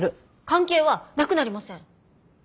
関係はなくなりません！